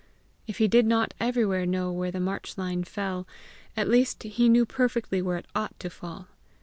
If he did not everywhere know where the marchline fell, at least he knew perfectly where it ought to fall.